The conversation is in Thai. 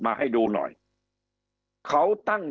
คำอภิปรายของสอสอพักเก้าไกลคนหนึ่ง